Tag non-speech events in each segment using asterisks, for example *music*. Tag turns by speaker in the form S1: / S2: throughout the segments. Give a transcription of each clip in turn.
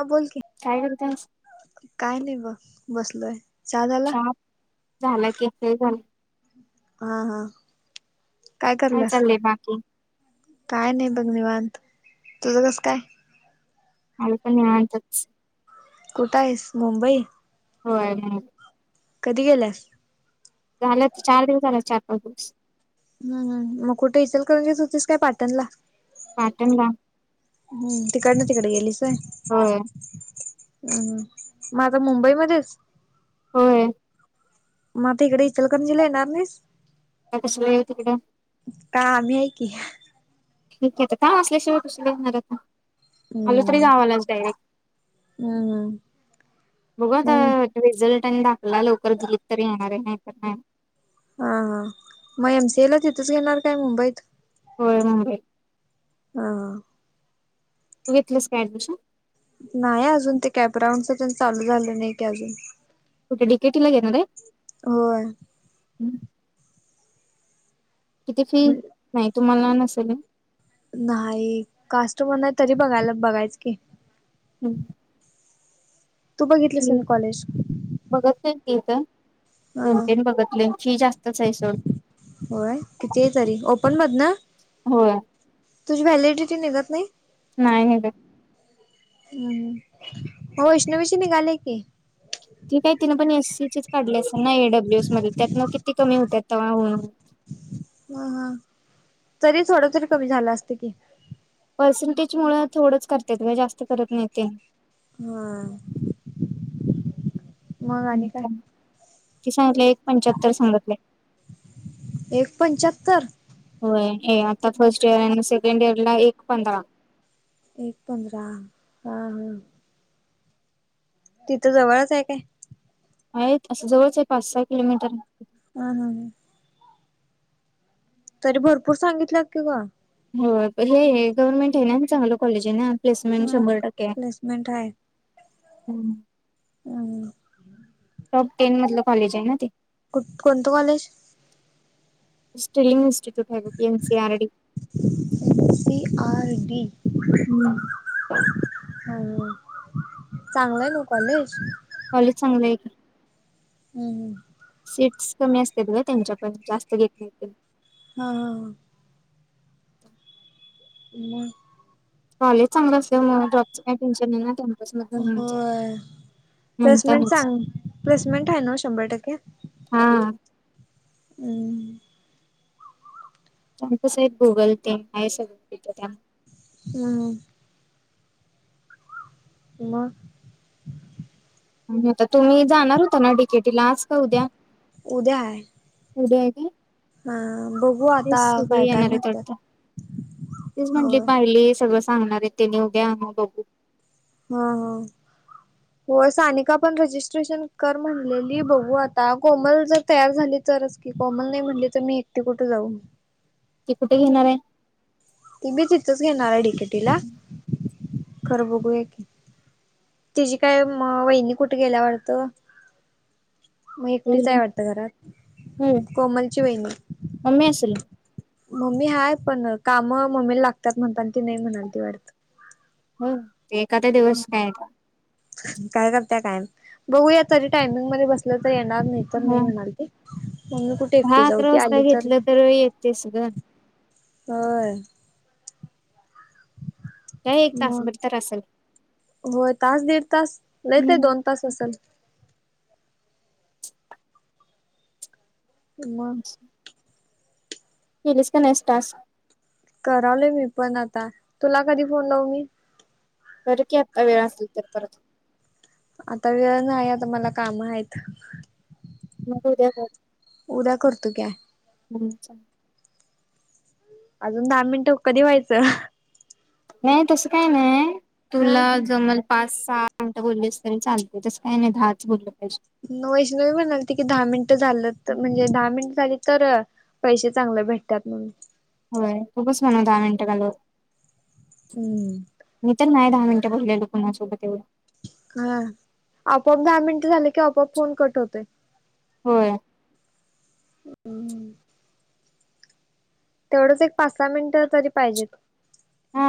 S1: ह बोल क
S2: कायत
S1: काय नाही बघ बसलय
S2: छा झालं की हे झालं
S1: हा हा काय
S2: का
S1: करल्यास
S2: चाल बाकी
S1: काय नाही बघ निवांत तुझं कसं काय
S2: अलपणी मातातच
S1: कुठं आहेस मुंबई
S2: होय
S1: कधी गेल्यास
S2: झालं चार दिवस, झाल चार पाच दिवस.
S1: हम हम, मग कुठं इंचलकरजीत होतीस का पाटणला?
S2: पाटणला.
S1: हम् तिकडनं तिकडं गेलीस होय.
S2: होय.
S1: हम्म हम्म मग आता मुंबईमध्ये आहेस.
S2: होय आता
S1: मग आता इकडं इचलकरंजीला येणार नाहीस?
S2: काय कशाला येऊ तिकडं,
S1: का आम्ही हायं की,
S2: ठीक आहे तर काम असल्याशिवाय कशाला येवू मी आता. आलो तरी
S1: हम्म
S2: गावालाच डायरेक्ट,
S1: हम्म हम्म.
S2: बघू आता
S1: मग
S2: रिझल्ट आणि दाखला लवकर दिलीत तर येणार आहे नाही तर नाही.
S1: हा हा मग एमसीएला तिथेच घेणार काय मुंबईत.
S2: होय मुंबई.
S1: हा..
S2: तू घेतलीस काय ऍडमिशन?
S1: नाही अजून ते कॅपराऊंडच तेण चालू झालं नाही की अजून,
S2: कुठं डीकेटी ला घेणार ये.
S1: होय.
S2: किती फी नाही तुम्हाला नसेल.
S1: नाही कास्ट वर नाही तरी बघायला बघायचं की,
S2: हम्
S1: तू बघितलंस कणी कॉलेज.
S2: बघतलं ती इथं,
S1: अ
S2: जनतेन बघतले फी जास्तच हाय सोड.
S1: होय किती आहे तरी ओपन मधन.
S2: होय.
S1: तुझी व्हॅलिडिटी निघत नाही.
S2: नाही निघत,
S1: हम् हो वैष्णवीशी निघालेय की,
S2: ती काय तिन पण एससीचीच काढली असलं ना एडब्ल्यू एस मध्ये त्यातनं किती कमी होत्यात तवा होऊन होऊन.
S1: हाहा तरी थोड तरी कमी झालं असत की,
S2: पर्सेंटेज मुळं थोडंच करत्यात गं, जास्त करत नाहीेत तेण,
S1: *unintelligible* आणि
S2: *unintelligible*
S1: काय
S2: एक पंच्याहत्तर सांगतलंय
S1: एक पंच्याहत्तर
S2: होय. ये आता फर्स्ट इयर आणि सेकंड इयर ला एक पंधरा.
S1: एक पंधरा हा हा. तिथं जवळच आहे काय?
S2: आहेत असं जवळच आहे. पाच सहा किलोमीटर
S1: हा हा. तरी भरपूर सांगितल्यात की गं.
S2: हो हे गव्हर्नमेंट आहे ना, चांगलं कॉलेज आहे ना. प्लेसमेंट शंभर टक्के
S1: प्लेसमेंट
S2: हम्म.
S1: ह ह
S2: टॉप टेन मधलं कॉलेज आहे ना ते,
S1: कुठ कोणतं कॉलेज?
S2: स्टिलिंग. इन्स्टिट्यूट आहे बघ N C R D
S1: C R D. हम चांगलंय ना कॉलेज?
S2: काॅलेज चांगलं की,
S1: हम् हम...
S2: सीट्स कमी असतात गं त्यांच्याकडं जास्त घेत नाही ती....
S1: हा... मग...
S2: कॉलेज चांगलं असते मग जॉबच काही टेनशन नाही ना... मधून
S1: हो
S2: होऊन जात
S1: प्लेसमेंट
S2: म्हणतानाच
S1: सांग प्लेसमेंट आहे ना शंभर टक्के
S2: हा
S1: हम्
S2: त्यांच सहित गुगल पे आहे सगळं तथं
S1: हम् मग...
S2: आता तुम्ही जाणार होता ना डीकेटीला आज का उद्या...
S1: उद्या आहे
S2: एवढ आहे...
S1: हा बघू
S2: तेच
S1: आता काय काय म्हटत...
S2: तीच म्हंटली बाहेर ये सगळं सांगणार आहे तेनी उदया अ बघू...
S1: हा ह...
S2: *inaudible*
S1: हो सानिका पण रजिस्ट्रेशन कर म्हणलेली बघू आता कोमल जर तयार झाली.. तरच की कॉमन नाही म्हटले तर मी एकटे कुठे जाऊन...
S2: की कुठे घेणार आहे?
S1: ती बी तिथचं घेणार आहे डिकेटीला खरं बघूया की... तिची काय म अ वहिनी कुठं गेली आहे वाटतं? मग एकटीच आहे
S2: होय
S1: वाटत घरात कोमलची वहिणी...
S2: मम्मी असल...
S1: मम्मी हाय पण काम मम्मीला लागतात म्हणताना ती नाही म्हणाल ती वाटत...
S2: हो ते एखादा दिवस काय आहे का..
S1: काय करत कायम बघूया तरी टायमिंग मध्ये बसलं तर येणार नाही... तर नाही म्हणाली ते मी कुठ
S2: हहा अकरा वाजता घेतलं तर येत ते स गं...
S1: हो...
S2: काय एक
S1: मग
S2: तासभर तर असेल
S1: होय तास दीड तास लय ते
S2: हम्म.
S1: दोन तास असेल... मम...
S2: ह... केलीस का नाही टास्क
S1: करावले मी पण आता तुला कधी फोन लाऊ मी...
S2: जरी की आत्ता वेळ असेल तर परत...
S1: आता वेळ नाही आता मला काम आहेत...
S2: म उद्या कर
S1: उद्या करतो की....
S2: हम्...
S1: अजून दहा मिनिटं कधी व्हायचं....
S2: नाही तसं काही नाही
S1: हा
S2: तुला... ज मल पाच सहा मिनटं बोललीस तरी चालते तसं काही नाही दहाच बोललं पाहिजे...
S1: वैष्णवी म्हणालेते की दहा मिनिट झालं म्हणजे दहा मिनट झाली तर... पैसे चांगले भेटतात म्हणून....
S2: होय खूपच म्हणू दहा मिनटं घालव...
S1: हम्म...
S2: मी तर नाही दहा मिनटं बोललेलो कुणासोबत एवढं....
S1: हा आपआप दहा मिनिट झाले की आपआप फोन कट होतोय.....
S2: होय....
S1: तेवढंच एक पाच सहा मिनिटं तरी पाहिजेत...
S2: हा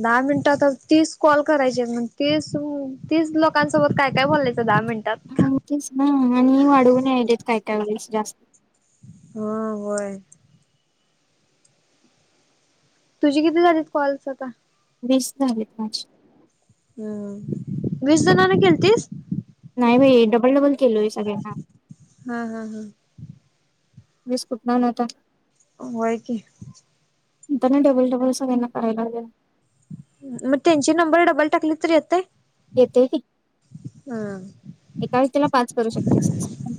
S1: दहा मिनिटात तीस कॉल करायचे मग तीसतीस लोकांसोबत कायकाय बोलायचं दहा मिनिटात?
S2: हां तेच ना आणि वाढवून यायलेत काय काय वेळेस जास्त
S1: हां होय तुझी किती झालीत कॉल्स आता?
S2: वीस झालीत माझी
S1: हा वीस जणांना केलतीस?
S2: नाही बाई डबल-डबल केलोय सगळ्यांना
S1: हा हा हा
S2: वीस कुठण आणू आता?
S1: होय की
S2: त्यां ना डबल डबल सगळ्यांना करायला लागलो
S1: मग त्यांची नंबर डबल टाकली तरी येते?
S2: येतेय की
S1: हा
S2: एका व्यक्तिला पाच करू शकतेस हा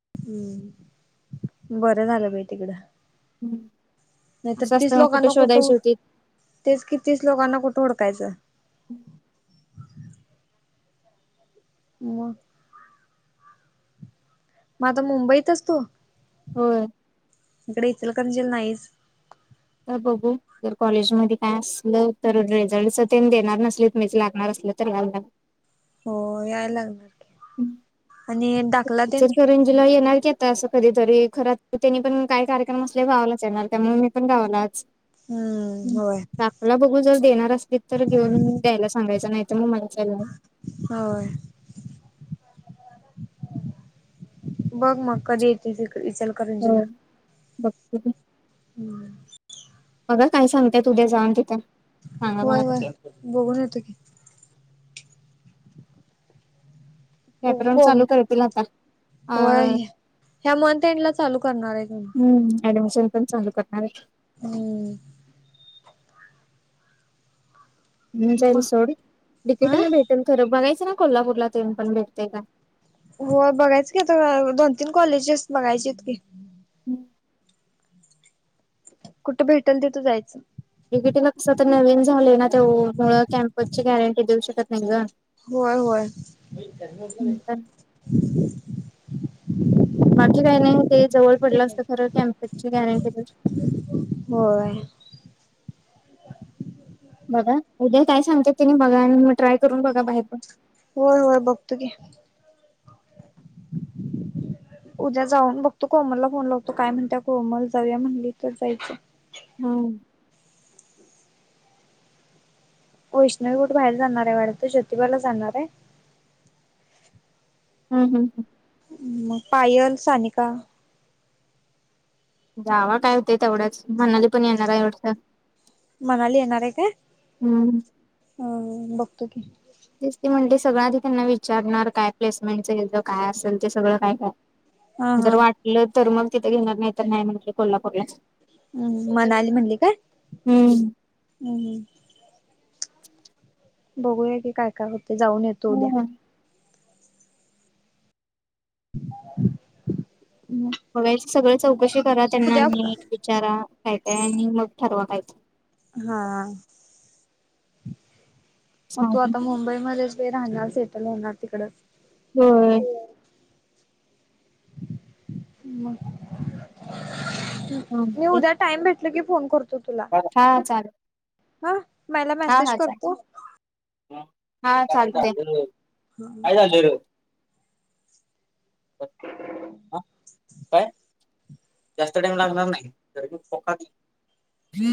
S1: ह हा बरं झालं बाई तिकडं. नाहीतर
S2: असं
S1: तीस
S2: असताना कुठे
S1: लोकांना कुठं
S2: शोधायची होती?
S1: तेच कि तीस लोकांना कुठे हुडकायच मग मग आता मुंबईत असतो
S2: होय
S1: इकडे इचलकरंजीला नाहीस
S2: त्या बघू जर कॉलेजमध्ये काय असलं तर रिझल्टच ते देणार नसले मीच लागणार असलं तर ला
S1: हो याय लागलं.
S2: हं
S1: आणि
S2: तिला येणार की आता असं कधी तरी खरं त्यानी पण काही कार्यक्रम असले गावालाच येणार त्यामुळे मी पण गावालाच.
S1: हम्म होय
S2: *unintelligible* मला बघू जर देणार असतील तर घेऊन द्यायला सांगायचं नाहीत मग मला त्या
S1: होय. बघ मग कधी येते इकडे इचलकरंजीला
S2: हो बघते
S1: हं.
S2: बघा काय सांगतेय उद्या जाऊन तिथं सांगा मला
S1: होय
S2: पण
S1: होय बघून येतो की
S2: ऍप रून
S1: कोम
S2: चालू करतील आता अ
S1: होय ह्या मंथ एंड ला चालू करणार आहे म्हणे.
S2: हम्म ऍडमिशन पण चालू करणार आहे.
S1: हम्म
S2: मी जाईल
S1: मग
S2: सोडून तिकीट
S1: अ
S2: भेटेल खरं बघायचं ना कोल्हापूरला ते येऊन पण भेटतय का?
S1: हो बघायंच की दोन-तीन कॉलेजेस बघायचेत की.
S2: ह
S1: कुठं भेटल तिथं जायचं
S2: डिकेटीला कसं तर नवीन झालंय ना त्या मुळं कॅम्पस ची गॅरंटी देऊ शकत नाहीत गं.
S1: होय होय.
S2: नंतर बाकी काही नाही ते जवळ पडलं असतं खरं कॅम्पेटची गॅरंटी
S1: होय.
S2: बघ हं, उद्या काय सांगतात तिनी बघा आणि मग ट्राय करून बघा बाहेर पण.
S1: होय, होय बघतो की.
S2: *inaudible*
S1: उद्या जाऊन बघतो कोमलला फोन लावतो काय म्हणत्या कोमल जाऊया म्हणली तर जायच
S2: हा
S1: वैष्णवी कुठ बाहेर जाणार आहे वाड्यात ज्योतिबाला जाणार आहे
S2: हम् हम हम
S1: मग पायल सानिका
S2: गावा काय होत तेवढंच म्हनाली पण येणार आहे एवढचं
S1: मनाली येणार आहे काय
S2: हम्म
S1: हा बघतो की
S2: ते म्हणते सगळं आधी त्यांना विचारणार काय प्लेसमेंटच गेलतो काय असेल ते सगळं काय
S1: हा
S2: काय
S1: हा
S2: जर वाटलं तर मग तिथे घेणार नाही तर नाही म्हटलं कोल्हापूरचा
S1: हम्म मनाली म्हणली काय हम्म् बघूया की काय काय होते जाऊन येत
S2: हम्
S1: हा
S2: सगळं चौकशी करा त्यांना नीट विचारा काहीतय आणि मग ठरवा कायते.
S1: हां, मग तू
S2: चालेल
S1: आता मुंबईमध्येच? ते राहणार सेटल होणार तिकडच.
S2: होय.
S1: मी
S2: चालते
S1: उद्या टाइम भेटला की फोन कर.. तुला
S2: हा चालेल
S1: हा मला
S2: हा
S1: मेसेज
S2: हा
S1: करतो
S2: हा चालत काय चाल रे- हा काय जास्त टाइम लागणार नाही